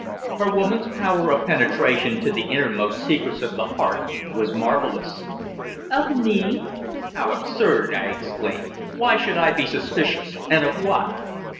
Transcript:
Her woman's power of penetration to the innermost secrets of the heart was marvellous. "Of me?" "How absurd!" I exclaimed. "Why should I be suspicious and of what?"